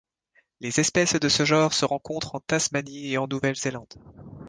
Les espèces de ce genre se rencontrent en Tasmanie et en Nouvelle-Zélande.